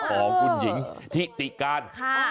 ของคุณหญิงทิติการ